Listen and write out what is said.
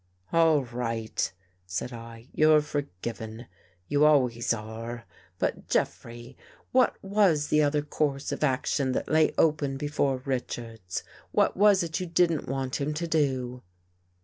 " All right," said I, " you're forgiven. You always are. But, Jeffrey, what was the other course of action that lay open before Richards? What was it you didn't want him to do?